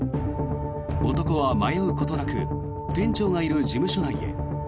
男は迷うことなく店長がいる事務所内へ。